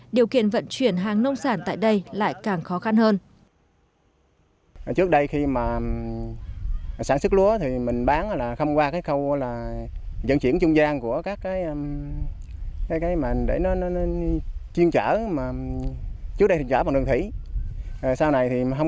điều kiện vận chuyển hàng nông sản tại đây lại càng khó khăn hơn